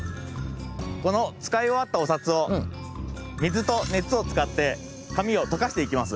この使いおわったお札をみずとねつを使って紙を溶かしていきます。